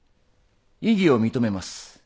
異議を認めます。